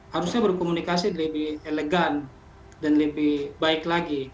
harusnya berkomunikasi lebih elegan dan lebih baik lagi